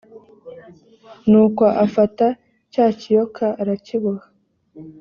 nuko afata cya kiyoka arakiboha